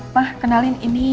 ma kenalin ini